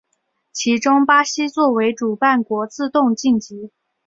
其中巴西作为主办国自动晋级。